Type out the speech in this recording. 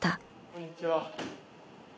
・こんにちは。